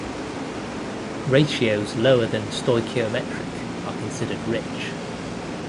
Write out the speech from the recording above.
Ratios lower than stoichiometric are considered "rich".